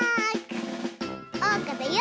おうかだよ！